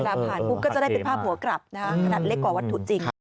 ผ่านปุ๊บก็จะได้เป็นภาพหัวกลับขนาดเล็กกว่าวัตถุจริง